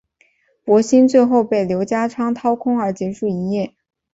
博新最后被刘家昌掏空而结束营业。